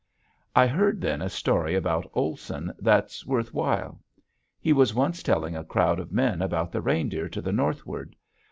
I heard then a story about Olson that's worth while. He was once telling a crowd of men about the reindeer to the northward.